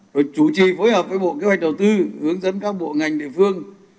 rồi chủ trì phối hợp với bộ kế hoạch đầu tư hướng dẫn các bộ ngành địa phương